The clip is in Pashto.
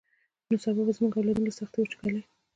نو سبا به زمونږ اولادونه له سختې وچکالۍ.